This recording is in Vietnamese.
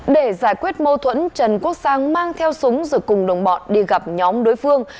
để giải quyết mâu thuẫn trần quốc sang mang theo súng rồi cùng đồng bọn đi gặp nhóm đối phương